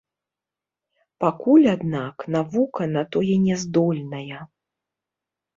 Пакуль, аднак, навука на тое няздольная.